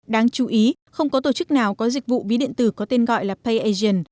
đáng chú ý không có tổ chức nào có dịch vụ ví điện tử có tên gọi là payasian